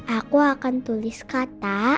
aku akan tulis kata